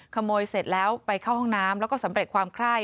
ขโมยเสร็จแล้วไปเข้าห้องน้ำแล้วก็สำเร็จความไคร้